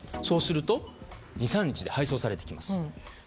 そうすると、２、３日で配送されてきます。